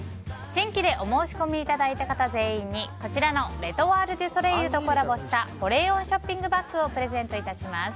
新規でお申し込みいただいた方全員にこちらのレ・トワール・デュ・ソレイユとコラボした保冷温ショッピングバッグをプレゼント致します。